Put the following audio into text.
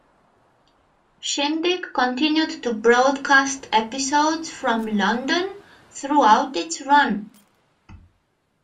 "Shindig" continued to broadcast episodes from London throughout its run.